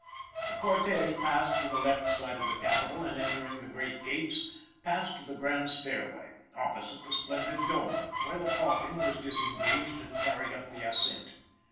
The cortege passed to the left side of the Capitol, and entering the great gates, passed to the grand stairway, opposite the splendid dome, where the coffin was disengaged and carried up the ascent.